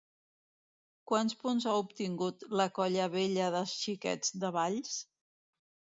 Quants punts ha obtingut la Colla Vella dels Xiquets de Valls?